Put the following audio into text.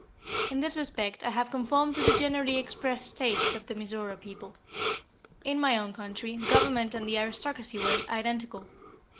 In this respect I have conformed to the generally expressed taste of the Mizora people. In my own country the government and the aristocracy were identical.